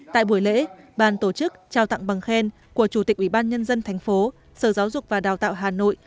tại buổi lễ ban tổ chức trao tặng bằng khen của chủ tịch ubnd tp sở giáo dục và đào tạo hà nội